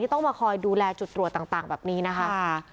ต้องมาคอยดูแลจุดตรวจต่างแบบนี้นะคะ